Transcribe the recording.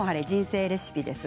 人生レシピ」